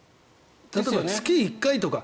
例えば月１回とか。